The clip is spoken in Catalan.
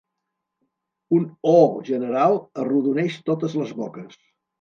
Un oh! general arrodoneix totes les boques.